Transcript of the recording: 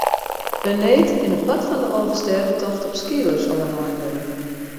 By need kin in part fan de Alvestêdetocht op skeelers ôflein wurde.